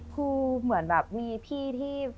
เหมือนแบบมีพี่ที่